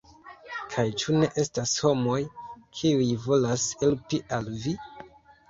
Kaj ĉu ne estas homoj, kiuj volas helpi al vi?